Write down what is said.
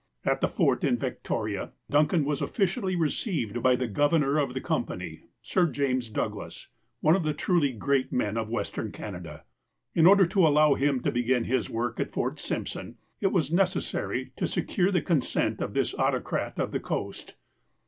At the fort in Victoria, Duncan was officially received by the governor of the company. Sir James Douglas, one of the truly great men of Western Canada. In order to allow him to begin his work at Fort Simp son, it was necessary to secure the consent of this autocrat of the coast.